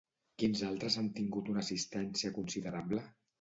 Quins altres han tingut una assistència considerable?